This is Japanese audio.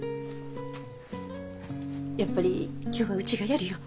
やっぱり今日はうちがやるよ。